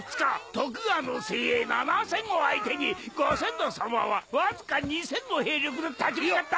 徳川の精鋭７千を相手にご先祖様はわずか２千の兵力で立ち向かった！